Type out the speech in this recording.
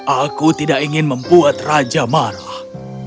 aku tidak ingin membuat raja marah